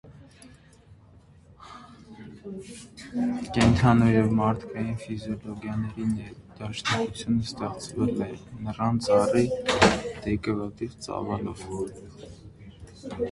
Կենդանու և մարդկային ֆիգուրների ներդաշնակությունը ստեղծվել է նռան ծառի դեկորատիվ ծավալով։